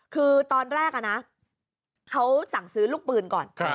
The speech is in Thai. คือตอนแรกนะเขาสั่งซื้อลูกปืนก่อน